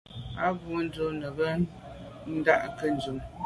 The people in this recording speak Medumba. A bwô ndù be ghù ndà ke ndume.